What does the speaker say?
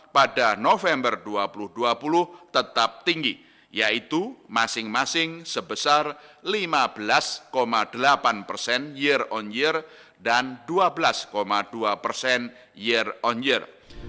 pada november dua ribu dua puluh tetap tinggi yaitu masing masing sebesar lima belas delapan persen year on year dan dua belas dua persen year on year